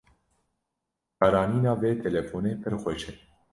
Bikaranîna vê telefonê pir xweş e.